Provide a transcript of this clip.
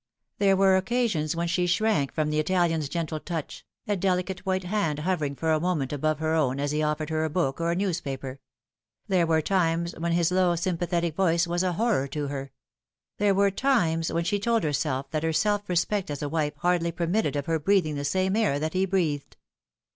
There were occasions when she shrank from the Italian's gentle touch, a delicate white hand hovering for a moment above her own as he offered her a book or a newspaper ; there were times when his low sympathetic voice was a horror to her ; there were times when she told herself that her self respect as a wife hardly per mitted of. her breathing the same air that he breathed.